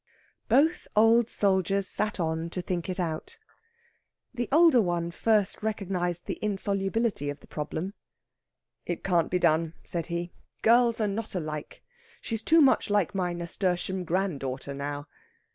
Both old soldiers sat on to think it out. The older one first recognised the insolubility of the problem. "It can't be done," said he. "Girls are not alike. She's too much like my nasturtium granddaughter now...."